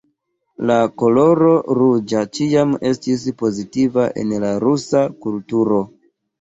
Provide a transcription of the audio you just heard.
La koloro ruĝa ĉiam estis pozitiva en la rusa kulturo.